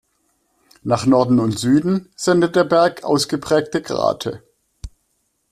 Nach Norden und Süden sendet der Berg ausgeprägte Grate.